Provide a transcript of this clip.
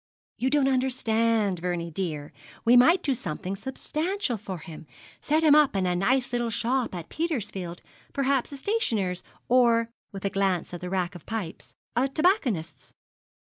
'You don't understand, Vernie dear. We might do something substantial for him set him up in a nice little shop at Petersfield, perhaps a stationer's, or,' with a glance at the rack of pipes, 'a tobacconist's.'